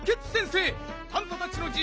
パンタたちのじ